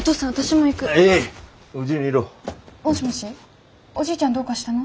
もしもしおじいちゃんどうかしたの？